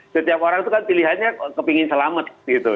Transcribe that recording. setiap orang itu kan pilihannya kepingin selamat gitu